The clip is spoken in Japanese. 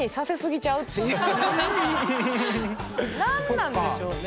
何なんでしょうね。